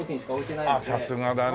さすがだね。